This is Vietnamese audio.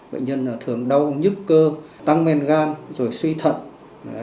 bệnh nhân thường đau nhức cơ tăng men gan rồi suy thận